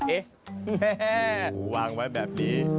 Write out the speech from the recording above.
เอ๊ะวางไว้แบบนี้